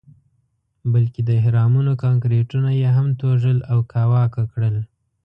بلکې د اهرامونو کانکریټونه یې هم توږل او کاواکه کړل.